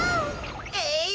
えい！